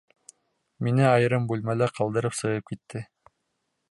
Мине айырым бүлмәлә ҡалдырып, сығып китте.